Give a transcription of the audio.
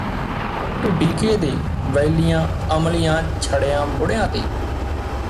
ਢੁੱਡੀਕੇ ਦੇ ਵੈੱਲੀਆਂ ਅਮਲੀਆਂ ਛੜਿਆਂ ਬੁੜ੍ਹਿਆਂ ਤੇ